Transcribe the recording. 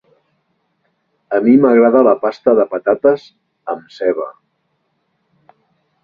A mi m'agrada la pasta de patates amb ceba.